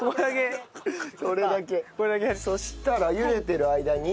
そしたら茹でてる間に？